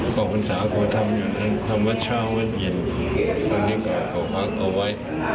ของคุณสาวก็ทำอย่างนั้นทำวัดเช้าวันเย็นพอนี้ก็ก็พักเอาไว้